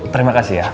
terima kasih ya